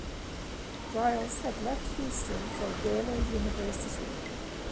Briles had left Houston for Baylor University.